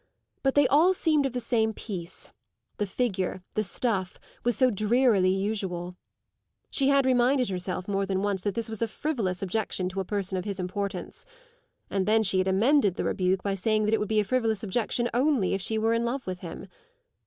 But they all seemed of the same piece; the figure, the stuff, was so drearily usual. She had reminded herself more than once that this was a frivolous objection to a person of his importance; and then she had amended the rebuke by saying that it would be a frivolous objection only if she were in love with him.